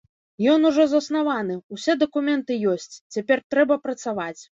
Ён ужо заснаваны, усе дакументы ёсць, цяпер трэба працаваць.